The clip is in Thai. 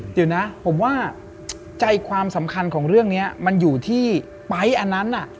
เดี๋ยวนะผมว่าใจความสำคัญของเรื่องนี้มันอยู่ที่ไปอันนั้น